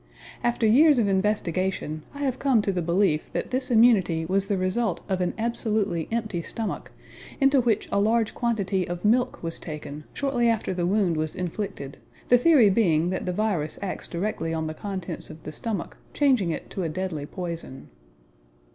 After years of investigation I have come to the belief that this immunity was the result of an absolutely empty stomach, into which a large quantity of milk was taken shortly after the wound was inflicted, the theory being that the virus acts directly on the contents of the stomach, changing it to a deadly poison.